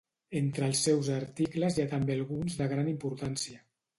Entre els seus articles hi ha també alguns de gran importància.